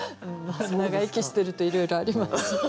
長生きしてるといろいろあります。